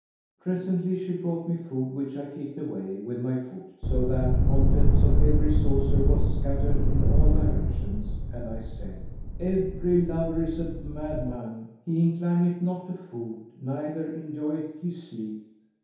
Presently she brought me food which I kicked away with my foot so that the contents of every saucer were scattered in all directions, and I said, "Every lover is a madman; he inclineth not to food neither enjoyeth he sleep."